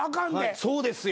そうですよ！